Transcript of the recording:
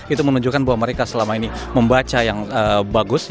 itu menunjukkan bahwa mereka selama ini membaca yang bagus